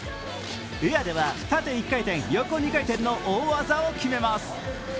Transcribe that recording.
エアでは、縦１回転横２回転の大技を決めます。